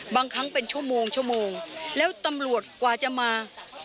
บางครั้งเป็นชั่วโมงชั่วโมงแล้วตำรวจกว่าจะมา